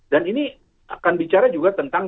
ini akan bicara juga tentang